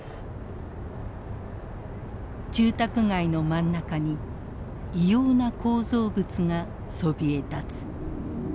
住宅街の真ん中に異様な構造物がそびえ立つ。